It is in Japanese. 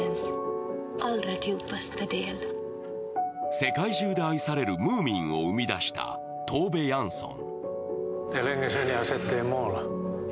世界中で愛されるムーミンを生み出したトーベ・ヤンソン。